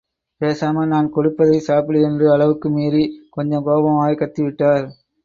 பேசாம நான் கொடுப்பதை சாப்பிடு என்று அளவுக்கு மீறி, கொஞ்சம் கோபமாகவே கத்தி விட்டார்.